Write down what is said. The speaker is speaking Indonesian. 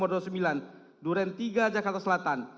duren tiga jakarta selatan